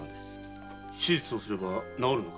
手術をすれば治るのか？